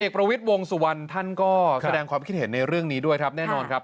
ประวิทย์วงสุวรรณท่านก็แสดงความคิดเห็นในเรื่องนี้ด้วยครับแน่นอนครับ